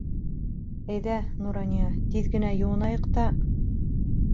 Әйҙә, Нурания, тиҙ генә йыуынайыҡ та...